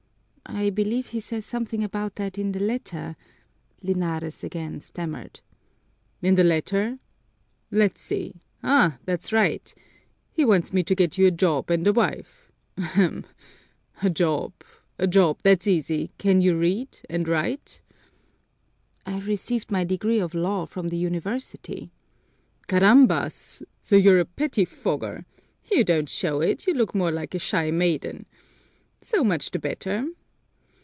"I believe he says something about that in the letter," Linares again stammered. "In the letter? Let's see! That's right! He wants me to get you a job and a wife. Ahem! A job, a job that's easy! Can you read and write?" "I received my degree of law from the University." "Carambas! So you're a pettifogger! You don't show it; you look more like a shy maiden. So much the better!